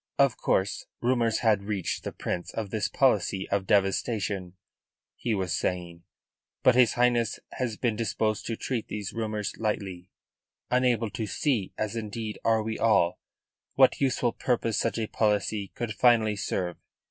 "Of course, rumours had reached the Prince of this policy of devastation," he was saying, "but his Highness has been disposed to treat these rumours lightly, unable to see, as indeed are we all, what useful purpose such a policy could finally serve.